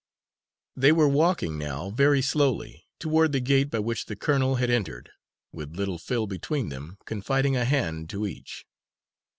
They were walking now, very slowly, toward the gate by which the colonel had entered, with little Phil between them, confiding a hand to each.